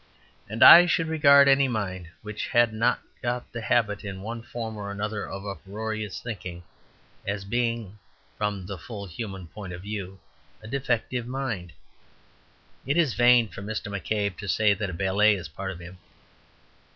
And I should regard any mind which had not got the habit in one form or another of uproarious thinking as being, from the full human point of view, a defective mind. It is vain for Mr. McCabe to say that a ballet is a part of him.